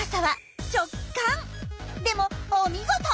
でもお見事！